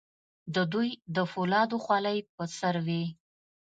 د دوی د فولادو خولۍ په سر وې.